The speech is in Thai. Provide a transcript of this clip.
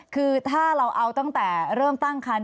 คือถ้าเราเอาตั้งแต่เริ่มตั้งคัน